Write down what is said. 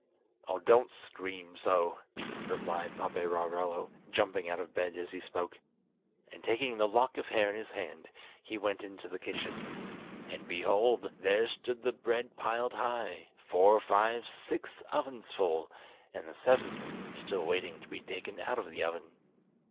"Oh, don't scream so," replied Paperarello, jumping out of bed as he spoke; and taking the lock of hair in his hand, he went into the kitchen. And, behold! there stood the bread piled high—four, five, six ovens full, and the seventh still waiting to be taken out of the oven.